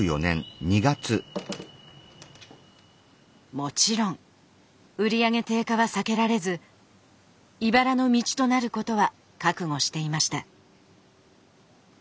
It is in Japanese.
もちろん売り上げ低下は避けられずいばらの道となることは覚悟していました。